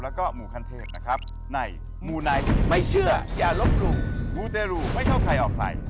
แล้วก็หมู่ขั้นเทพนะครับในมูไนท์ไม่เชื่ออย่าลบหลู่มูเตรูไม่เข้าใครออกใคร